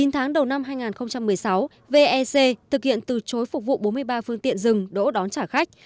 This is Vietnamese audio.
chín tháng đầu năm hai nghìn một mươi sáu vec thực hiện từ chối phục vụ bốn mươi ba phương tiện dừng đỗ đón trả khách